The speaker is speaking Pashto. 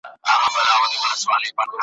لښکر د ابوجهل ته به کلي تنها نه وي ,